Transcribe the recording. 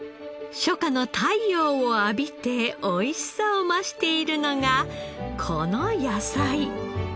初夏の太陽を浴びて美味しさを増しているのがこの野菜。